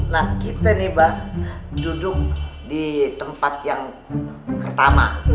nah kita nih bang duduk di tempat yang pertama